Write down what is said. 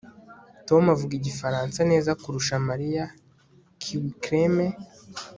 Tom avuga igifaransa neza kurusha Mariya KiwiCreme